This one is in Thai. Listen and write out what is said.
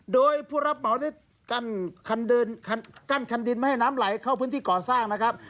โดยผู้รับเหมาได้กั้นคันดินไม่ให้น้ำไหลเข้าพื้นที่ก่อสร้างนะครับ